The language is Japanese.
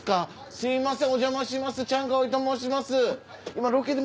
すみません。